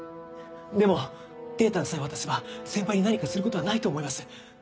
でもデータさえ渡せば先輩に何かすることはないと思います。